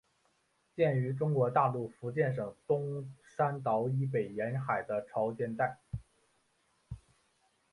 见于中国大陆福建省东山岛以北沿海的潮间带。